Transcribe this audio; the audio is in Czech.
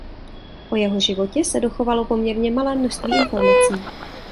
O jeho životě se dochovalo poměrně malé množství informací.